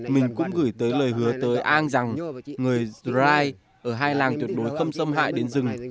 mình cũng gửi tới lời hứa tới an rằng người karai ở hai làng tuyệt đối không xâm hại đến rừng